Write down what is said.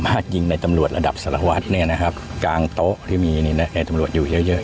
ยิงในตำรวจระดับสารวัตรเนี่ยนะครับกลางโต๊ะที่มีตำรวจอยู่เยอะเยอะ